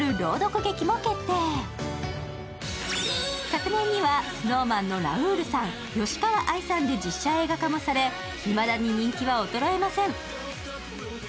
昨年にはＳｎｏｗＭａｎのラウールさん、吉川愛さんで実写映画化もされいまだに人気は衰えません。